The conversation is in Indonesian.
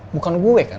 bukan gue kan